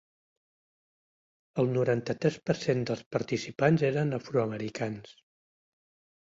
El noranta-tres per cent dels participants eren afroamericans.